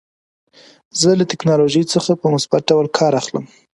زه له ټکنالوژۍ څخه په مثبت ډول کار اخلم.